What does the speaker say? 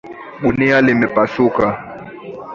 Gunia limepasuka.